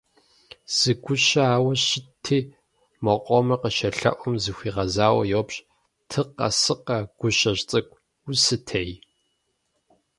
Зы гущэ ауэ щытти мо къомыр къыщелъэӏум, зыхуигъэзауэ йоупщӏ: «Тӏыкъэ сыкъэ, гущэжь цӏыкӏу, усытей?».